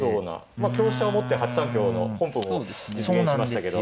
まあ香車を持って８三香の本譜も実現しましたけど。